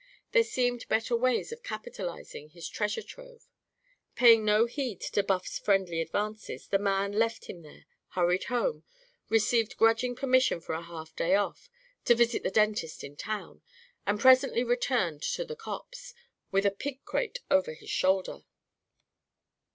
There seemed better ways of capitalising his treasure trove. Paying no heed to Buff's friendly advances the man left him there, hurried home, received grudging permission for a half day off, to visit the dentist in town, and presently returned to the copse, with a pig crate over his shoulder.